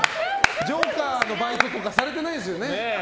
ジョーカーのバイトとかされてないですよね？